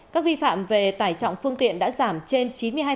các vi phạm về tải trọng phương tiện đã giảm trên chín mươi hai